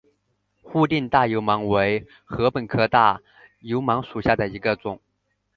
泸定大油芒为禾本科大油芒属下的一个种。